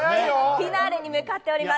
フィナーレに向かっております。